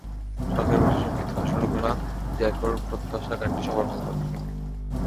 শখের বশে সংগীত শুরু করা জ্যাকোর প্রত্যাশা, গানটি সবার ভালো লাগবে।